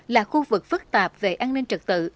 là khu vực phức tạp về an ninh trật tự